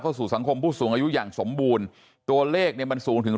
สู่สังคมผู้สูงอายุอย่างสมบูรณ์ตัวเลขเนี่ยมันสูงถึง